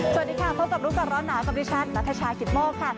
สวัสดีค่ะพบกับลูกการณ์ร้อนหนาความดีชัดนัทชายขิดโม่ค่ะ